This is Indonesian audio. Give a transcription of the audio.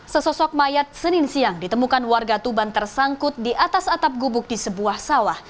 sesosok mayat senin siang ditemukan warga tuban tersangkut di atas atap gubuk di sebuah sawah